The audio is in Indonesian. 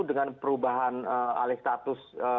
dengan perubahan alih status